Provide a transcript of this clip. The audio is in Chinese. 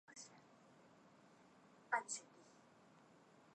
回到一二号巴士站